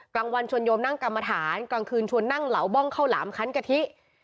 กลางวันชวนโยมนั่งกรรมฐานกลางคืนชวนนั่งเหลาบ้องข้าวหลามคันกะทิ